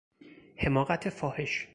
حماقت فاحش